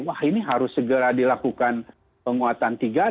wah ini harus segera dilakukan penguatan tiga t